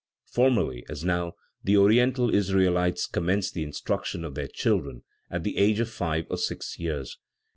Formerly, as now, the Oriental Israelites commenced the instruction of their children at the age of five or six years.